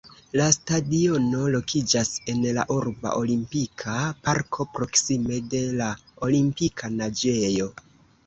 La stadiono lokiĝas en la urba Olimpika Parko, proksime de la Olimpika Naĝejo.